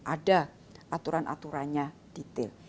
ada aturan aturannya detail